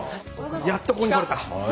やっとここに来れた。